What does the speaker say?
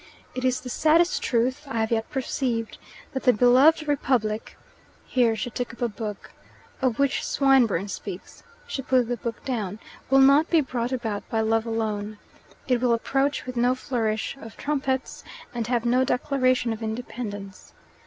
It is the saddest truth I have yet perceived that the Beloved Republic" here she took up a book "of which Swinburne speaks" she put the book down "will not be brought about by love alone. It will approach with no flourish of trumpets, and have no declaration of independence.